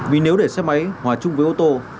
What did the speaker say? vì nếu để xe máy hòa chung với ô tô